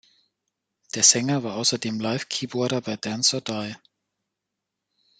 Der Sänger war außerdem Live-Keyboarder bei Dance or Die.